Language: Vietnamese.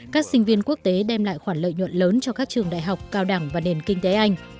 các sinh viên quốc tế đem lại khoản lợi nhuận lớn cho các trường đại học cao đẳng và nền kinh tế anh